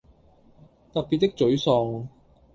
特別的沮喪